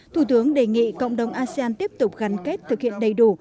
thủ tướng đề nghị cộng đồng asean tiếp tục gắn kết thực hiện đầy đủ